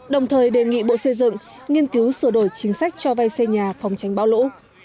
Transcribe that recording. đồng thời đề nghị bộ xây dựng nghiên cứu sửa đổi chính sách cho vay xây nhà phòng tránh bão lũ